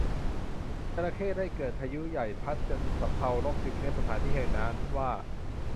จระเข้ได้เกิดพายุใหญ่พัดจนสำเภาล่มจึงเรียกสถานที่แห่งนั้นว่า